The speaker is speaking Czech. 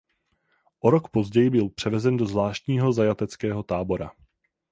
O rok později byl převezen do zvláštního zajateckého tábora.